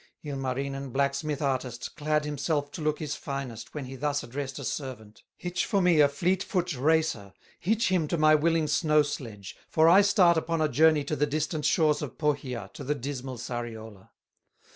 Ilmarinen, blacksmith artist, Clad himself to look his finest, When he thus addressed a servant: "Hitch for me a fleet foot racer, Hitch him to my willing snow sledge, For I start upon a journey To the distant shores of Pohya, To the dismal Sariola."